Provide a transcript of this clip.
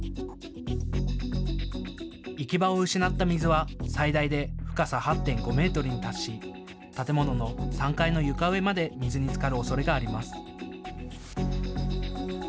行き場を失った水は最大で深さ８．５メートルに達し建物の３階の床上まで水につかるおそれがあります。